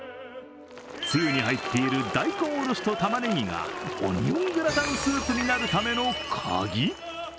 つゆに入っている大根おろしと玉ねぎがオニオングラタンスープになるための鍵。